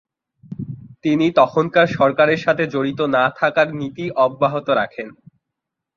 তিনি তখনকার সরকারের সাথে জড়িত না থাকার নীতি অব্যাহত রাখেন।